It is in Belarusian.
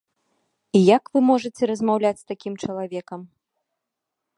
І як вы можаце размаўляць з такім чалавекам?